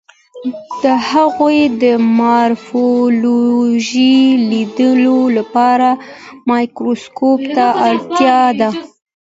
د هغوی د مارفولوژي لیدلو لپاره مایکروسکوپ ته اړتیا ده.